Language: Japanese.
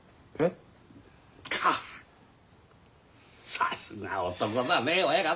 さすが男だねえ親方。